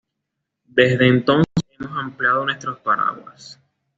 Ya independiente de España se anexó al Primer Imperio Mexicano.